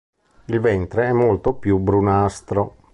Il ventre è molto più brunastro.